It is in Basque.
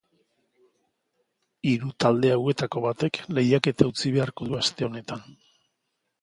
Hiru talde hauetako batek lehiaketa utzi beharko du aste honetan.